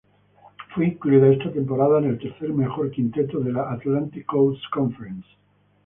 Fue incluido esa temporada en el tercer mejor quinteto de la Atlantic Coast Conference.